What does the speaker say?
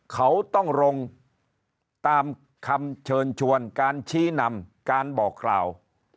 เขาต้องลงตามคำเชิญชวนการชี้นำการบอกกล่าว